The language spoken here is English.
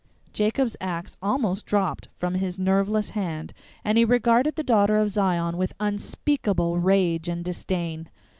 Jacob's axe almost dropped from his nerveless hand, and he regarded the Daughter of Zion with unspeakable rage and disdain.